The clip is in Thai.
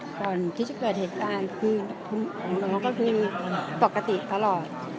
ก่อนที่จะเกิดเหตุการณ์คือของน้องก็คือปกติตลอด